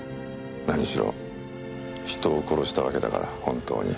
何しろ人を殺したわけだから本当に。